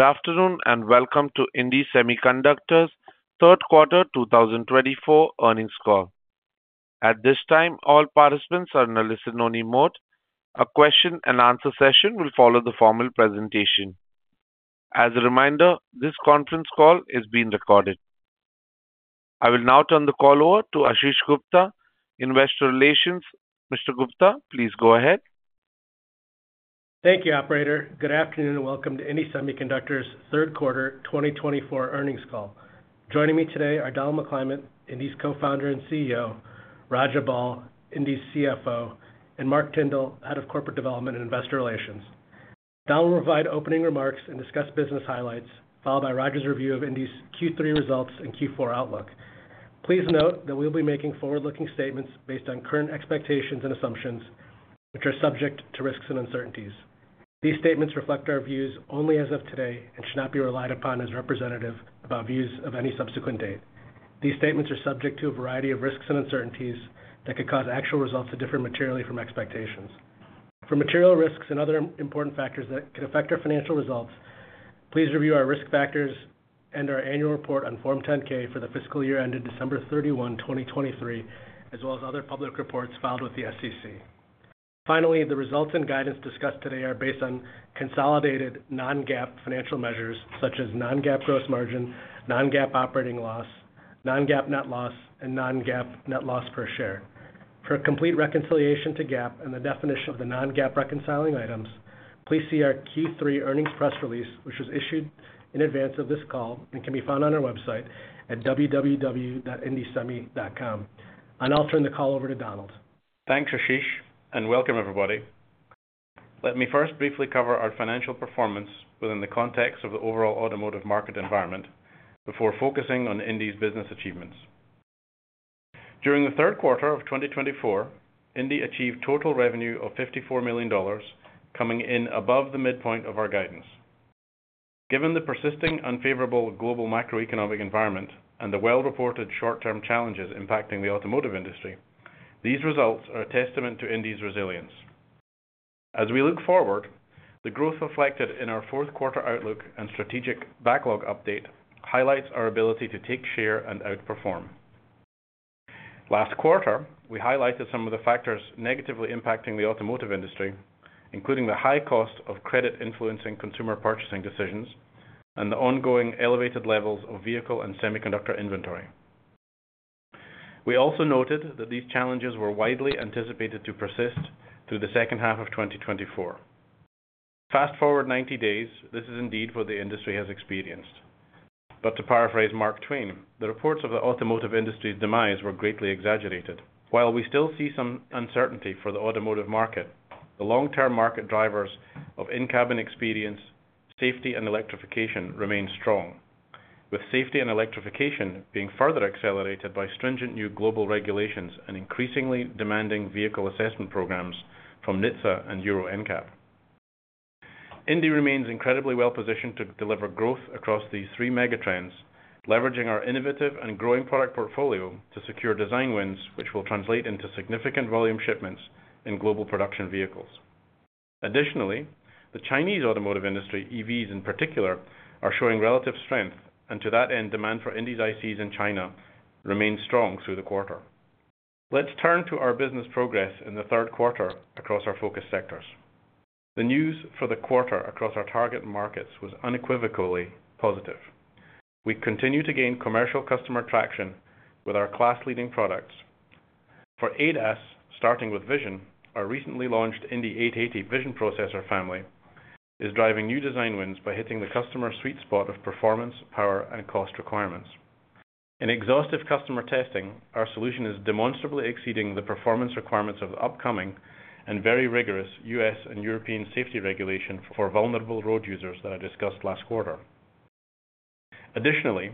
Good afternoon and welcome to Indie Semiconductor's Third Quarter 2024 Earnings Call. At this time, all participants are in a listen-only mode. A question-and-answer session will follow the formal presentation. As a reminder, this conference call is being recorded. I will now turn the call over to Ashish Gupta, Investor Relations. Mr. Gupta, please go ahead. Thank you, Operator. Good afternoon and welcome to Indie Semiconductor's Third Quarter 2024 Earnings Call. Joining me today are Donald McClymont, Indie's Co-founder and CEO, Raja Bal, Indie's CFO, and Mark Tyndall, Head of Corporate Development and Investor Relations. Donald will provide opening remarks and discuss business highlights, followed by Raja's review of Indie's Q3 results and Q4 outlook. Please note that we will be making forward-looking statements based on current expectations and assumptions, which are subject to risks and uncertainties. These statements reflect our views only as of today and should not be relied upon as representative of our views of any subsequent date. These statements are subject to a variety of risks and uncertainties that could cause actual results to differ materially from expectations. For material risks and other important factors that could affect our financial results, please review our risk factors and our annual report on Form 10-K for the fiscal year ended December 31, 2023, as well as other public reports filed with the SEC. Finally, the results and guidance discussed today are based on consolidated non-GAAP financial measures such as non-GAAP gross margin, non-GAAP operating loss, non-GAAP net loss, and non-GAAP net loss per share. For complete reconciliation to GAAP and the definition of the non-GAAP reconciling items, please see our Q3 earnings press release, which was issued in advance of this call and can be found on our website at www.indiesemi.com. I'll now turn the call over to Donald. Thanks, Ashish, and welcome, everybody. Let me first briefly cover our financial performance within the context of the overall automotive market environment before focusing on Indie's business achievements. During the third quarter of 2024, Indie achieved total revenue of $54 million, coming in above the midpoint of our guidance. Given the persisting unfavorable global macroeconomic environment and the well-reported short-term challenges impacting the automotive industry, these results are a testament to Indie's resilience. As we look forward, the growth reflected in our fourth quarter outlook and strategic backlog update highlights our ability to take share and outperform. Last quarter, we highlighted some of the factors negatively impacting the automotive industry, including the high cost of credit influencing consumer purchasing decisions and the ongoing elevated levels of vehicle and semiconductor inventory. We also noted that these challenges were widely anticipated to persist through the second half of 2024. Fast forward 90 days, this is indeed what the industry has experienced. But to paraphrase Mark Twain, the reports of the automotive industry's demise were greatly exaggerated. While we still see some uncertainty for the automotive market, the long-term market drivers of in-cabin experience, safety, and electrification remain strong, with safety and electrification being further accelerated by stringent new global regulations and increasingly demanding vehicle assessment programs from NHTSA and Euro NCAP. Indie remains incredibly well-positioned to deliver growth across these three megatrends, leveraging our innovative and growing product portfolio to secure design wins, which will translate into significant volume shipments in global production vehicles. Additionally, the Chinese automotive industry, EVs in particular, are showing relative strength, and to that end, demand for Indie's ICs in China remains strong through the quarter. Let's turn to our business progress in the third quarter across our focus sectors. The news for the quarter across our target markets was unequivocally positive. We continue to gain commercial customer traction with our class-leading products. For ADAS, starting with Vision, our recently launched Indie 880 Vision Processor family is driving new design wins by hitting the customer sweet spot of performance, power, and cost requirements. In exhaustive customer testing, our solution is demonstrably exceeding the performance requirements of the upcoming and very rigorous U.S. and European safety regulation for vulnerable road users that I discussed last quarter. Additionally,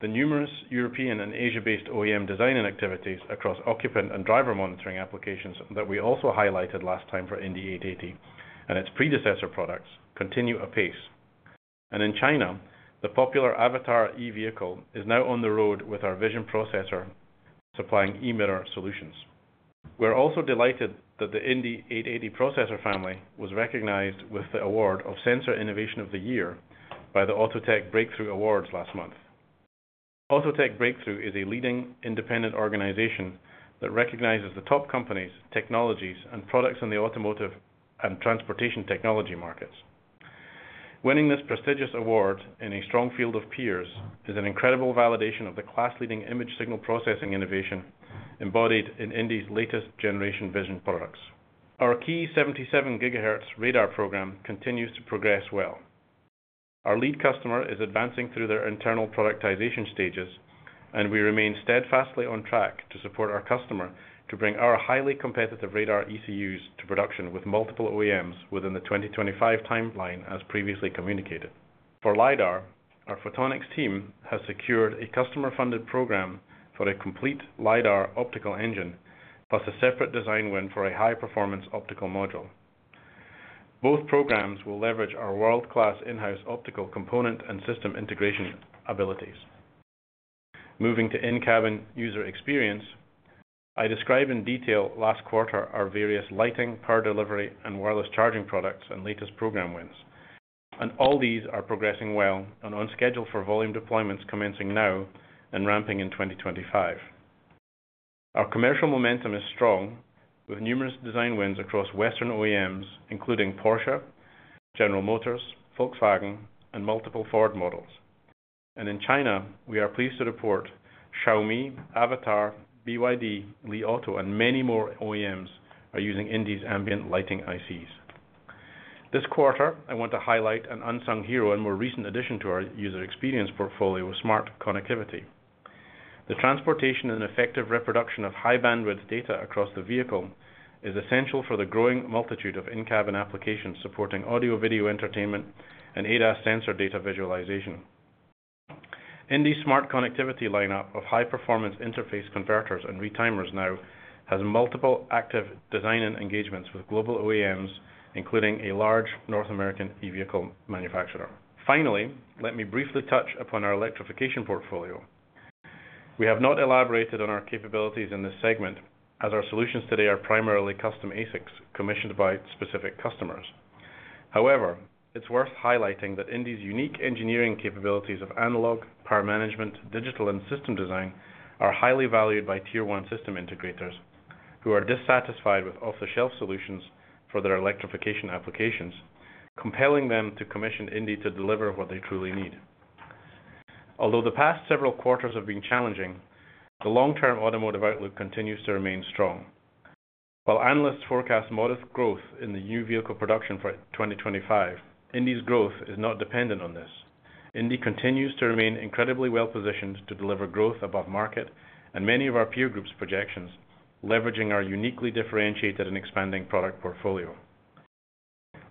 the numerous European and Asia-based OEM design activities across occupant and driver monitoring applications that we also highlighted last time for Indie 880 and its predecessor products continue apace. And in China, the popular Avatr e-vehicle is now on the road with our Vision Processor supplying e-Mirror solutions. We're also delighted that the Indie 880 Processor family was recognized with the award of Sensor Innovation of the Year by the AutoTech Breakthrough Awards last month. AutoTech Breakthrough is a leading independent organization that recognizes the top companies, technologies, and products in the automotive and transportation technology markets. Winning this prestigious award in a strong field of peers is an incredible validation of the class-leading image signal processing innovation embodied in Indie's latest generation Vision products. Our key 77 gigahertz radar program continues to progress well. Our lead customer is advancing through their internal productization stages, and we remain steadfastly on track to support our customer to bring our highly competitive radar ECUs to production with multiple OEMs within the 2025 timeline as previously communicated. For LiDAR, our Photonics team has secured a customer-funded program for a complete LiDAR optical engine plus a separate design win for a high-performance optical module. Both programs will leverage our world-class in-house optical component and system integration abilities. Moving to in-cabin user experience, I describe in detail last quarter our various lighting, power delivery, and wireless charging products and latest program wins, and all these are progressing well and on schedule for volume deployments commencing now and ramping in 2025. Our commercial momentum is strong with numerous design wins across Western OEMs, including Porsche, General Motors, Volkswagen, and multiple Ford models. In China, we are pleased to report Xiaomi, Avatr, BYD, Li Auto, and many more OEMs are using Indie's ambient lighting ICs. This quarter, I want to highlight an unsung hero and more recent addition to our user experience portfolio of smart connectivity. The transportation and effective reproduction of high-bandwidth data across the vehicle is essential for the growing multitude of in-cabin applications supporting audio-video entertainment and ADAS sensor data visualization. Indie's smart connectivity lineup of high-performance interface converters and retimers now has multiple active design engagements with global OEMs, including a large North American e-vehicle manufacturer. Finally, let me briefly touch upon our electrification portfolio. We have not elaborated on our capabilities in this segment, as our solutions today are primarily custom ASICs commissioned by specific customers. However, it's worth highlighting that Indie's unique engineering capabilities of analog power management, digital, and system design are highly valued by Tier 1 system integrators who are dissatisfied with off-the-shelf solutions for their electrification applications, compelling them to commission Indie to deliver what they truly need. Although the past several quarters have been challenging, the long-term automotive outlook continues to remain strong. While analysts forecast modest growth in the new vehicle production for 2025, Indie's growth is not dependent on this. Indie continues to remain incredibly well-positioned to deliver growth above market and many of our peer groups' projections, leveraging our uniquely differentiated and expanding product portfolio.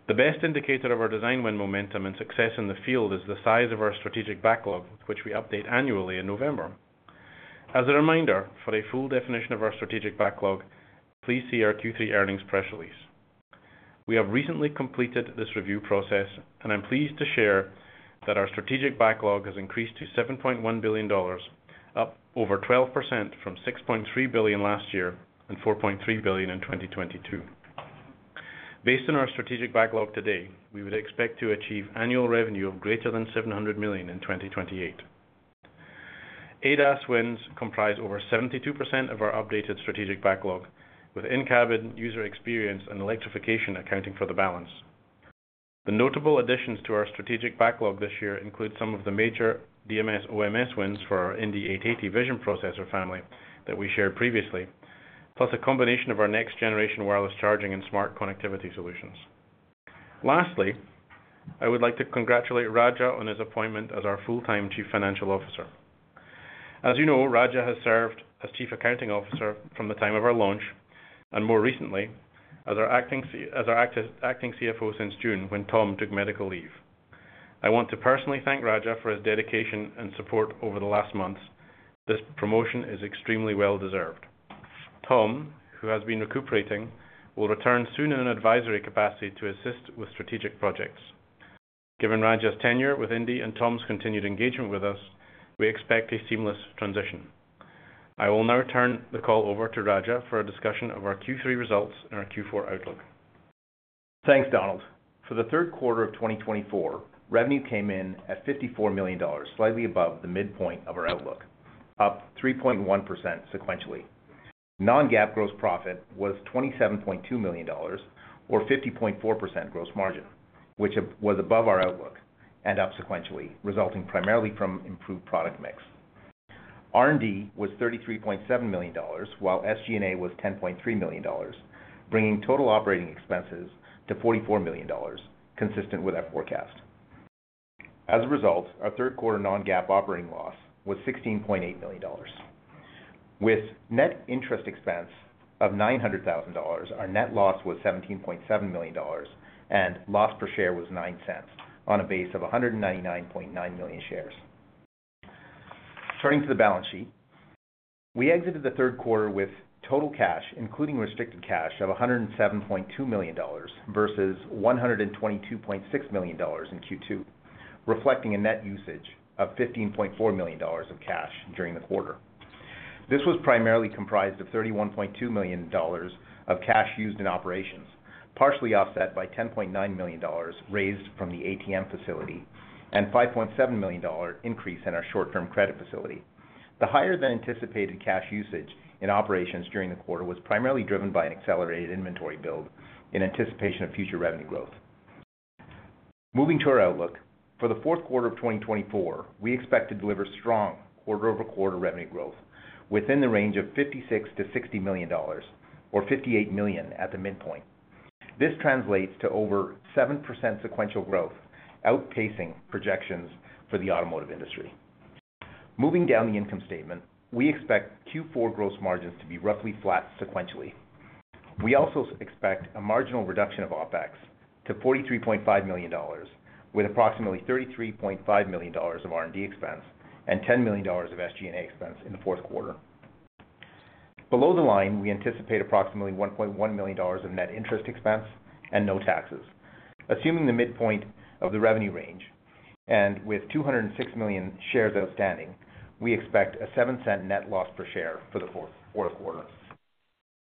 The best indicator of our design win momentum and success in the field is the size of our strategic backlog, which we update annually in November. As a reminder, for a full definition of our strategic backlog, please see our Q3 earnings press release. We have recently completed this review process, and I'm pleased to share that our strategic backlog has increased to $7.1 billion, up over 12% from $6.3 billion last year and $4.3 billion in 2022. Based on our strategic backlog today, we would expect to achieve annual revenue of greater than $700 million in 2028. ADAS wins comprise over 72% of our updated strategic backlog, with in-cabin user experience and electrification accounting for the balance. The notable additions to our strategic backlog this year include some of the major DMS OMS wins for our Indie 880 Vision Processor family that we shared previously, plus a combination of our next-generation wireless charging and smart connectivity solutions. Lastly, I would like to congratulate Raja on his appointment as our full-time Chief Financial Officer. As you know, Raja has served as Chief Accounting Officer from the time of our launch and more recently as our acting CFO since June when Tom took medical leave. I want to personally thank Raja for his dedication and support over the last months. This promotion is extremely well-deserved. Tom, who has been recuperating, will return soon in an advisory capacity to assist with strategic projects. Given Raja's tenure with Indie and Tom's continued engagement with us, we expect a seamless transition. I will now turn the call over to Raja for a discussion of our Q3 results and our Q4 outlook. Thanks, Donald. For the third quarter of 2024, revenue came in at $54 million, slightly above the midpoint of our outlook, up 3.1% sequentially. Non-GAAP gross profit was $27.2 million, or 50.4% gross margin, which was above our outlook and up sequentially, resulting primarily from improved product mix. R&D was $33.7 million, while SG&A was $10.3 million, bringing total operating expenses to $44 million, consistent with our forecast. As a result, our third quarter non-GAAP operating loss was $16.8 million. With net interest expense of $900,000, our net loss was $17.7 million, and loss per share was $0.09 on a base of 199.9 million shares. Turning to the balance sheet, we exited the third quarter with total cash, including restricted cash, of $107.2 million versus $122.6 million in Q2, reflecting a net usage of $15.4 million of cash during the quarter. This was primarily comprised of $31.2 million of cash used in operations, partially offset by $10.9 million raised from the ATM facility and $5.7 million increase in our short-term credit facility. The higher-than-anticipated cash usage in operations during the quarter was primarily driven by an accelerated inventory build in anticipation of future revenue growth. Moving to our outlook, for the fourth quarter of 2024, we expect to deliver strong quarter-over-quarter revenue growth within the range of $56-$60 million, or $58 million at the midpoint. This translates to over 7% sequential growth, outpacing projections for the automotive industry. Moving down the income statement, we expect Q4 gross margins to be roughly flat sequentially. We also expect a marginal reduction of OPEX to $43.5 million, with approximately $33.5 million of R&D expense and $10 million of SG&A expense in the fourth quarter. Below the line, we anticipate approximately $1.1 million of net interest expense and no taxes. Assuming the midpoint of the revenue range and with 206 million shares outstanding, we expect a $0.07 net loss per share for the fourth quarter.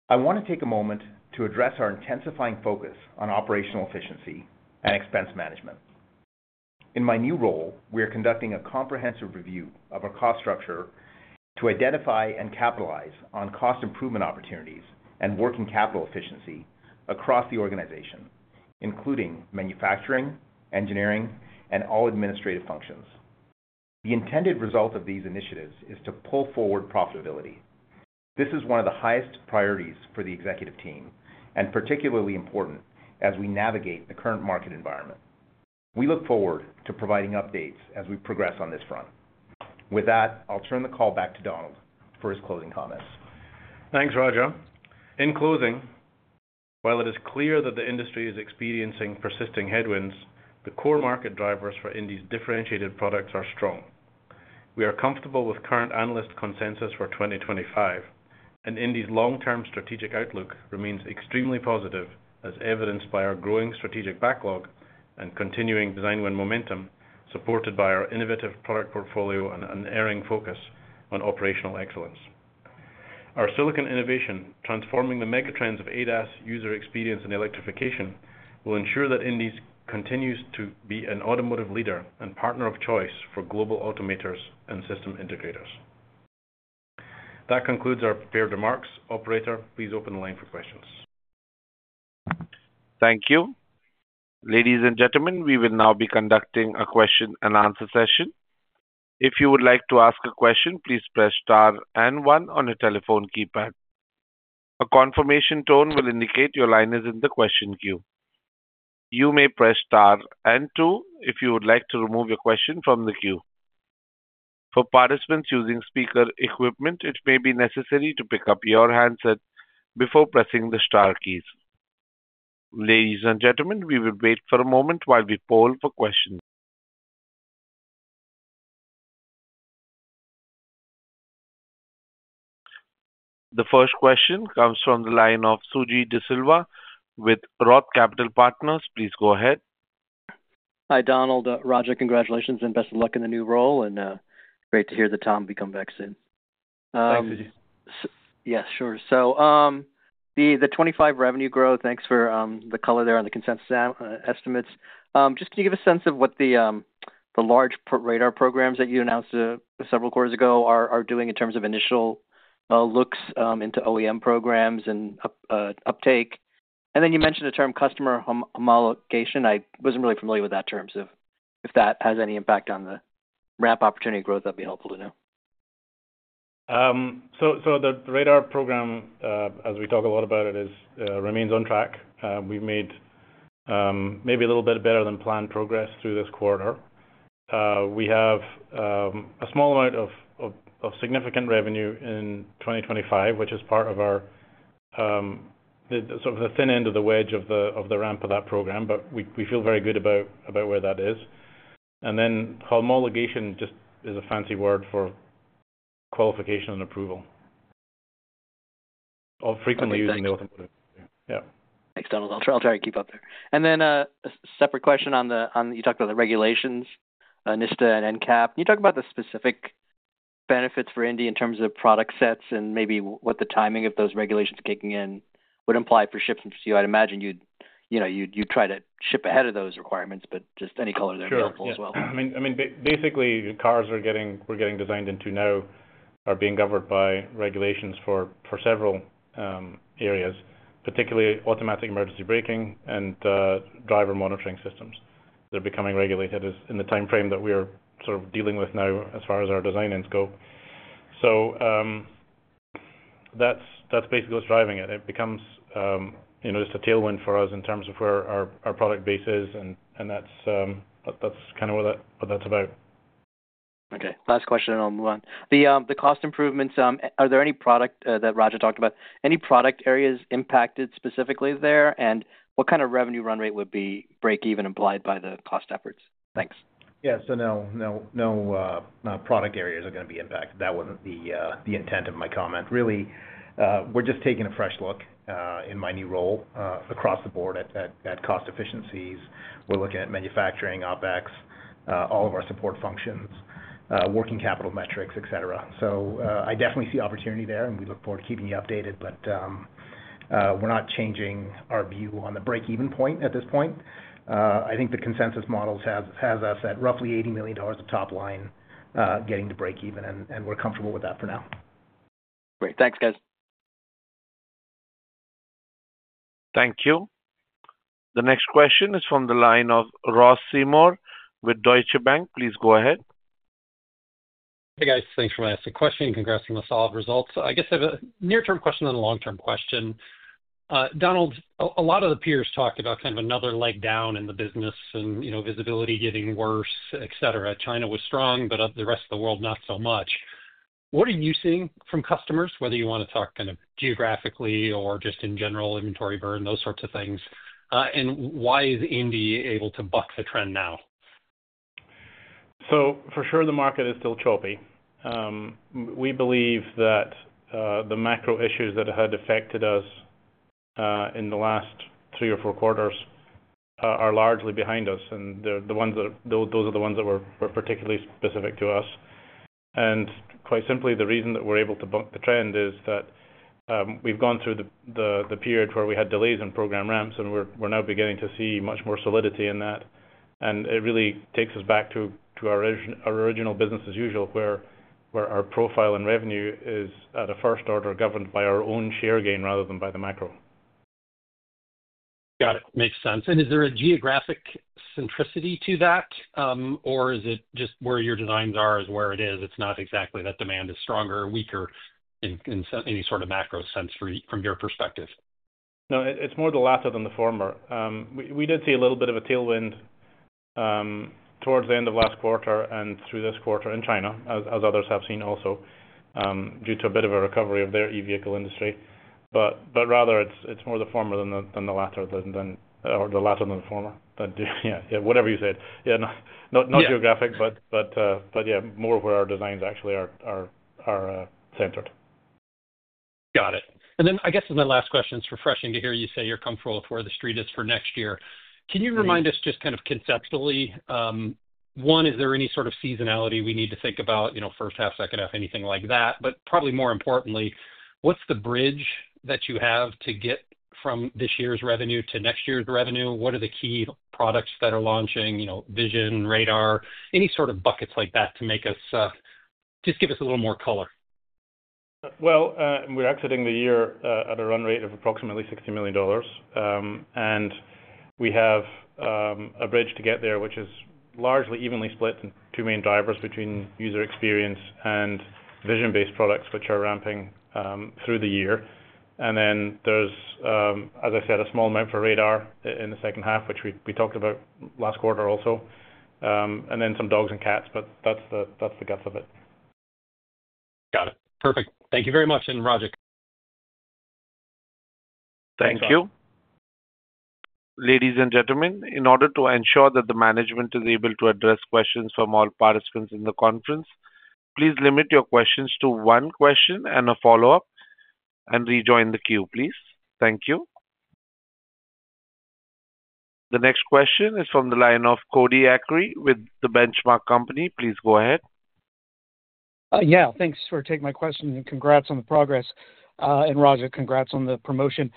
I want to take a moment to address our intensifying focus on operational efficiency and expense management. In my new role, we are conducting a comprehensive review of our cost structure to identify and capitalize on cost improvement opportunities and working capital efficiency across the organization, including manufacturing, engineering, and all administrative functions. The intended result of these initiatives is to pull forward profitability. This is one of the highest priorities for the executive team and particularly important as we navigate the current market environment. We look forward to providing updates as we progress on this front. With that, I'll turn the call back to Donald for his closing comments. Thanks, Raja. In closing, while it is clear that the industry is experiencing persisting headwinds, the core market drivers for Indie's differentiated products are strong. We are comfortable with current analyst consensus for 2025, and Indie's long-term strategic outlook remains extremely positive, as evidenced by our growing strategic backlog and continuing design win momentum supported by our innovative product portfolio and an unerring focus on operational excellence. Our silicon innovation, transforming the megatrends of ADAS user experience and electrification, will ensure that Indie continues to be an automotive leader and partner of choice for global automakers and system integrators. That concludes our prepared remarks. Operator, please open the line for questions. Thank you. Ladies and gentlemen, we will now be conducting a question-and-answer session. If you would like to ask a question, please press star and one on your telephone keypad. A confirmation tone will indicate your line is in the question queue. You may press star and two if you would like to remove your question from the queue. For participants using speaker equipment, it may be necessary to pick up your handset before pressing the star keys. Ladies and gentlemen, we will wait for a moment while we poll for questions. The first question comes from the line of Suji Desilva with Roth Capital Partners. Please go ahead. Hi, Donald. Raja, congratulations and best of luck in the new role, and great to hear that Tom will be coming back soon. Thanks, Suji. Yes, sure. So the 25% revenue growth, thanks for the color there on the consensus estimates. Just can you give a sense of what the large radar programs that you announced several quarters ago are doing in terms of initial looks into OEM programs and uptake? And then you mentioned the term customer homologation. I wasn't really familiar with that term. So if that has any impact on the ramp opportunity growth, that'd be helpful to know. So the radar program, as we talk a lot about it, remains on track. We've made maybe a little bit better than planned progress through this quarter. We have a small amount of significant revenue in 2025, which is part of sort of the thin end of the wedge of the ramp of that program, but we feel very good about where that is. And then homologation just is a fancy word for qualification and approval, frequently used in the automotive industry. Yeah. Thanks, Donald. I'll try to keep up there. And then a separate question on the, you talked about the regulations, NHTSA and NCAP. Can you talk about the specific benefits for Indie in terms of product sets and maybe what the timing of those regulations kicking in would imply for shipments? I'd imagine you'd try to ship ahead of those requirements, but just any color there would be helpful as well. Sure. I mean, basically, cars we're getting designed into now are being governed by regulations for several areas, particularly automatic emergency braking and driver monitoring systems. They're becoming regulated in the time frame that we are sort of dealing with now as far as our design and scope. So that's basically what's driving it. It becomes just a tailwind for us in terms of where our product base is, and that's kind of what that's about. Okay. Last question, and I'll move on. The cost improvements, are there any product—that Raja talked about—any product areas impacted specifically there? And what kind of revenue run rate would be break-even implied by the cost efforts? Thanks. Yeah, so no, no product areas are going to be impacted. That wasn't the intent of my comment. Really, we're just taking a fresh look in my new role across the board at cost efficiencies. We're looking at manufacturing, OpEx, all of our support functions, working capital metrics, etc., so I definitely see opportunity there, and we look forward to keeping you updated, but we're not changing our view on the break-even point at this point. I think the consensus models have us at roughly $80 million of top line getting to break-even, and we're comfortable with that for now. Great. Thanks, guys. Thank you. The next question is from the line of Ross Seymore with Deutsche Bank. Please go ahead. Hey, guys. Thanks for asking the question. Congrats on the solid results. I guess I have a near-term question and a long-term question. Donald, a lot of the peers talked about kind of another leg down in the business and visibility getting worse, etc. China was strong, but the rest of the world not so much. What are you seeing from customers, whether you want to talk kind of geographically or just in general, inventory burden, those sorts of things? And why is Indie able to buck the trend now? So for sure, the market is still choppy. We believe that the macro issues that had affected us in the last three or four quarters are largely behind us, and those are the ones that were particularly specific to us. And quite simply, the reason that we're able to buck the trend is that we've gone through the period where we had delays in program ramps, and we're now beginning to see much more solidity in that. And it really takes us back to our original business as usual, where our profile and revenue is at a first order governed by our own share gain rather than by the macro. Got it. Makes sense. And is there a geographic centricity to that, or is it just where your designs are is where it is? It's not exactly that demand is stronger or weaker in any sort of macro sense from your perspective? No, it's more the latter than the former. We did see a little bit of a tailwind towards the end of last quarter and through this quarter in China, as others have seen also, due to a bit of a recovery of their EV industry. But rather, it's more the former than the latter than the former. Yeah, whatever you said. Yeah, not geographic, but yeah, more where our designs actually are centered. Got it. And then I guess my last question is refreshing to hear you say you're comfortable with where the street is for next year. Can you remind us just kind of conceptually? One, is there any sort of seasonality we need to think about, first half, second half, anything like that? But probably more importantly, what's the bridge that you have to get from this year's revenue to next year's revenue? What are the key products that are launching, vision, radar, any sort of buckets like that to make us just give us a little more color? We're exiting the year at a run rate of approximately $60 million, and we have a bridge to get there, which is largely evenly split in two main drivers between user experience and vision-based products, which are ramping through the year, and then there's, as I said, a small amount for radar in the second half, which we talked about last quarter also, and then some odds and ends, but that's the guts of it. Got it. Perfect. Thank you very much. And Raja. Thank you. Ladies and gentlemen, in order to ensure that the management is able to address questions from all participants in the conference, please limit your questions to one question and a follow-up and rejoin the queue, please. Thank you. The next question is from the line of Cody Acree with The Benchmark Company. Please go ahead. Yeah. Thanks for taking my question and congrats on the progress, and Raja, congrats on the promotion.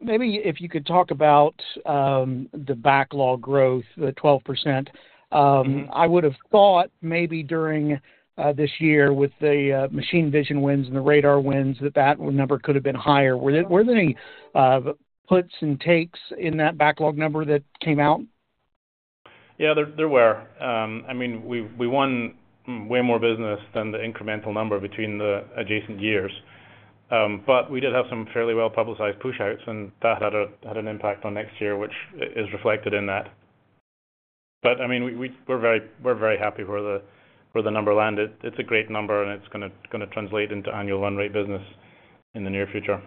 Maybe if you could talk about the backlog growth, the 12%. I would have thought maybe during this year with the machine vision wins and the radar wins that that number could have been higher. Were there any puts and takes in that backlog number that came out? Yeah, there were. I mean, we won way more business than the incremental number between the adjacent years, but we did have some fairly well-publicized push-outs, and that had an impact on next year, which is reflected in that. But I mean, we're very happy where the number landed. It's a great number, and it's going to translate into annual run rate business in the near future.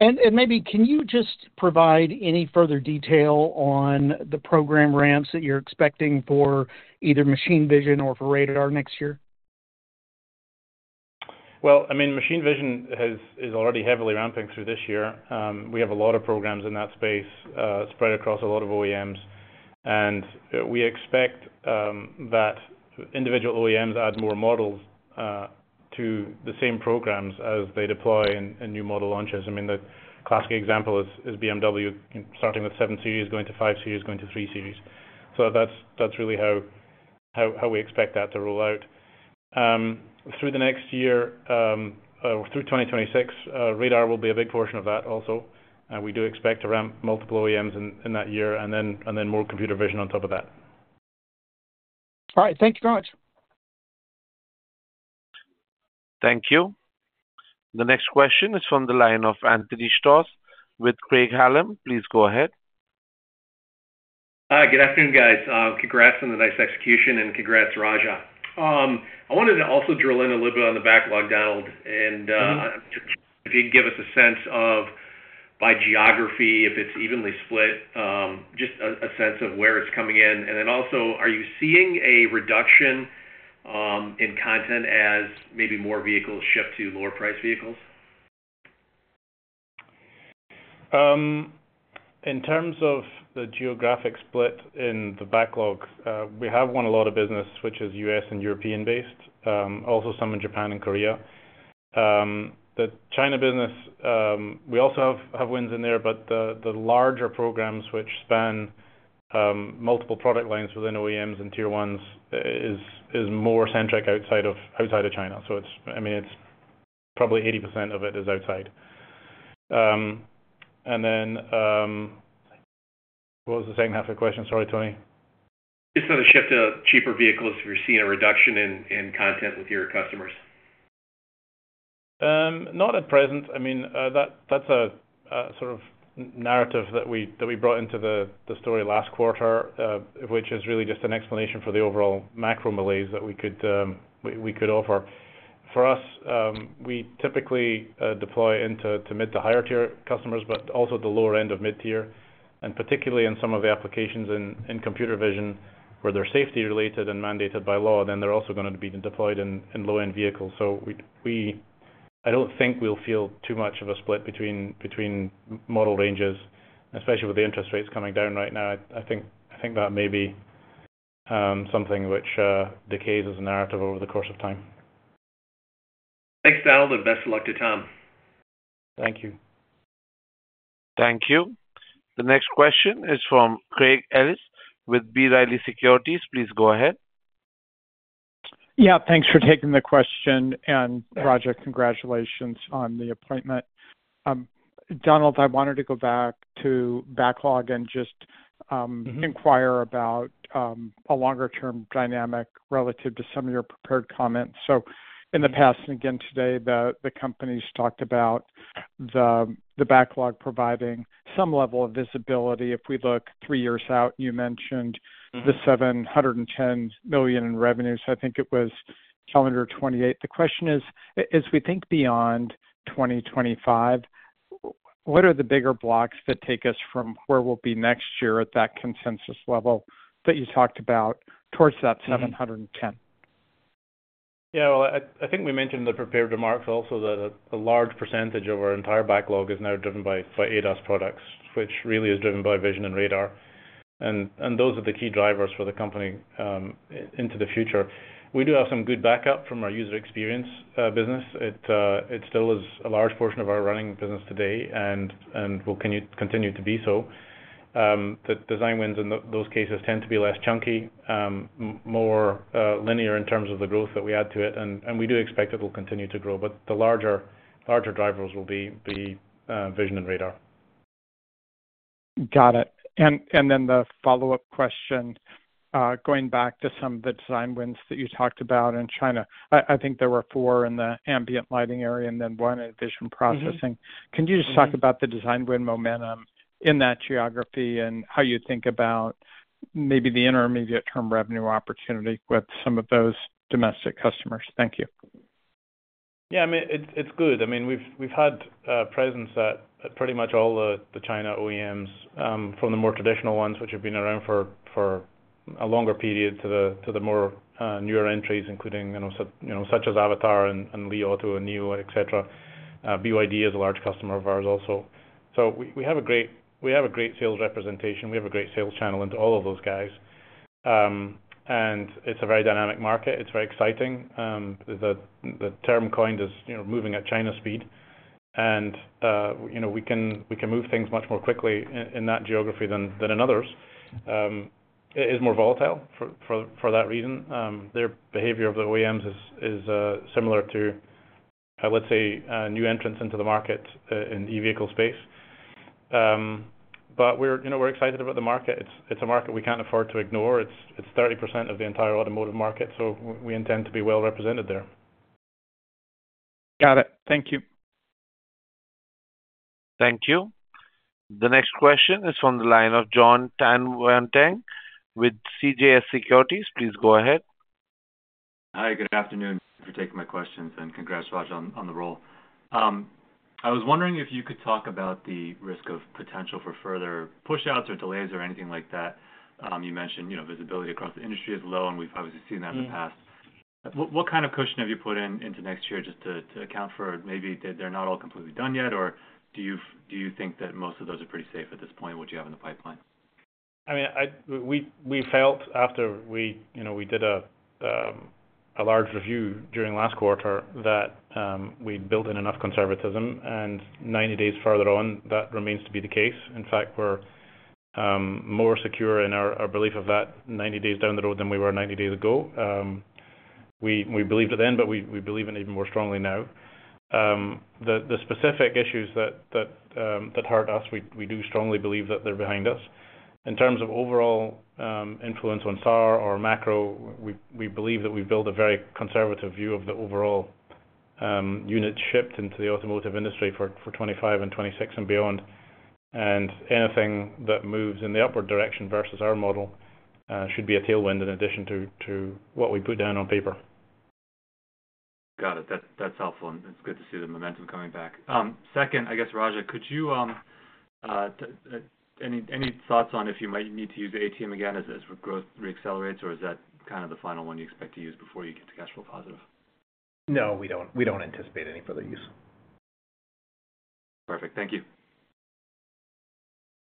Maybe can you just provide any further detail on the program ramps that you're expecting for either machine vision or for radar next year? I mean, machine vision is already heavily ramping through this year. We have a lot of programs in that space spread across a lot of OEMs, and we expect that individual OEMs add more models to the same programs as they deploy in new model launches. I mean, the classic example is BMW starting with 7 Series, going to 5 Series, going to 3 Series. That's really how we expect that to roll out. Through the next year or through 2026, radar will be a big portion of that also. We do expect to ramp multiple OEMs in that year and then more computer vision on top of that. All right. Thank you very much. Thank you. The next question is from the line of Anthony Stoss with Craig-Hallum. Please go ahead. Hi, good afternoon, guys. Congrats on the nice execution, and congrats, Raja. I wanted to also drill in a little bit on the backlog, Donald, and if you'd give us a sense of, by geography, if it's evenly split, just a sense of where it's coming in. And then also, are you seeing a reduction in content as maybe more vehicles shift to lower-priced vehicles? In terms of the geographic split in the backlog, we have won a lot of business, which is U.S. and European-based, also some in Japan and Korea. The China business, we also have wins in there, but the larger programs, which span multiple product lines within OEMs and tier ones, is more centric outside of China. So I mean, probably 80% of it is outside. And then what was the second half of the question? Sorry, Tony. Just sort of shift to cheaper vehicles. Have you seen a reduction in content with your customers? Not at present. I mean, that's a sort of narrative that we brought into the story last quarter, which is really just an explanation for the overall macro malaise that we could offer. For us, we typically deploy into mid to higher-tier customers, but also the lower end of mid-tier, and particularly in some of the applications in computer vision where they're safety-related and mandated by law, then they're also going to be deployed in low-end vehicles. So I don't think we'll feel too much of a split between model ranges, especially with the interest rates coming down right now. I think that may be something which decays as a narrative over the course of time. Thanks, Donald, and best of luck to Tom. Thank you. Thank you. The next question is from Craig Ellis with B. Riley Securities. Please go ahead. Yeah. Thanks for taking the question. And Raja, congratulations on the appointment. Donald, I wanted to go back to backlog and just inquire about a longer-term dynamic relative to some of your prepared comments. So in the past, and again today, the companies talked about the backlog providing some level of visibility. If we look three years out, you mentioned the $710 million in revenues. I think it was calendar 2028. The question is, as we think beyond 2025, what are the bigger blocks that take us from where we'll be next year at that consensus level that you talked about towards that 710? Yeah. Well, I think we mentioned in the prepared remarks also that a large percentage of our entire backlog is now driven by ADAS products, which really is driven by vision and radar. And those are the key drivers for the company into the future. We do have some good backup from our user experience business. It still is a large portion of our running business today and will continue to be so. The design wins in those cases tend to be less chunky, more linear in terms of the growth that we add to it. And we do expect it will continue to grow, but the larger drivers will be vision and radar. Got it, and then the follow-up question, going back to some of the design wins that you talked about in China, I think there were four in the ambient lighting area and then one in vision processing. Can you just talk about the design win momentum in that geography and how you think about maybe the intermediate-term revenue opportunity with some of those domestic customers? Thank you. Yeah. I mean, it's good. I mean, we've had presence at pretty much all the China OEMs, from the more traditional ones, which have been around for a longer period, to the more newer entries, such as Avatr and Li Auto and Nio, etc. BYD is a large customer of ours also. So we have a great sales representation. We have a great sales channel into all of those guys. And it's a very dynamic market. It's very exciting. The term coined is moving at China speed. And we can move things much more quickly in that geography than in others. It is more volatile for that reason. Their behavior of the OEMs is similar to, let's say, new entrants into the market in the e-vehicle space. But we're excited about the market. It's a market we can't afford to ignore. It's 30% of the entire automotive market, so we intend to be well represented there. Got it. Thank you. Thank you. The next question is from the line of Jon Tanwanteng with CJS Securities. Please go ahead. Hi. Good afternoon. Thank you for taking my questions and congrats on the role. I was wondering if you could talk about the risk of potential for further push-outs or delays or anything like that. You mentioned visibility across the industry is low, and we've obviously seen that in the past. What kind of cushion have you put into next year just to account for maybe they're not all completely done yet, or do you think that most of those are pretty safe at this point, what you have in the pipeline? I mean, we felt after we did a large review during last quarter that we'd built in enough conservatism, and 90 days further on, that remains to be the case. In fact, we're more secure in our belief of that 90 days down the road than we were 90 days ago. We believed it then, but we believe in it even more strongly now. The specific issues that hurt us, we do strongly believe that they're behind us. In terms of overall influence on SAAR or macro, we believe that we've built a very conservative view of the overall unit shipped into the automotive industry for 2025 and 2026 and beyond. And anything that moves in the upward direction versus our model should be a tailwind in addition to what we put down on paper. Got it. That's helpful. And it's good to see the momentum coming back. Second, I guess, Raja, any thoughts on if you might need to use ATM again as growth reaccelerates, or is that kind of the final one you expect to use before you get to cash flow positive? No, we don't. We don't anticipate any further use. Perfect. Thank you.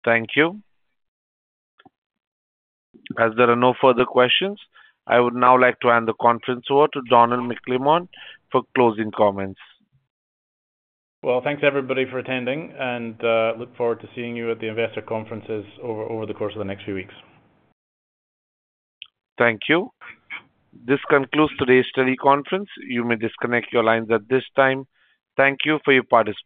Thank you. As there are no further questions, I would now like to hand the conference over to Donald McClymont for closing comments. Thanks, everybody, for attending, and look forward to seeing you at the investor conferences over the course of the next few weeks. Thank you. This concludes today's study conference. You may disconnect your lines at this time. Thank you for your participation.